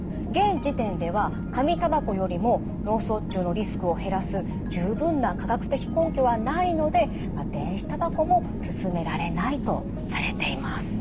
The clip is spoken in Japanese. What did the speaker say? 現時点では紙タバコよりも脳卒中のリスクを減らす十分な科学的根拠はないので電子タバコも勧められないとされています。